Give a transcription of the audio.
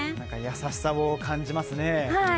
優しさを感じますね。